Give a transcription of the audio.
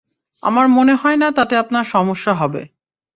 আমার মনে হয় না তাতে আপনার সমস্যা হবে।